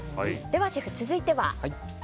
ではシェフ、続いては？